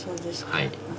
はい。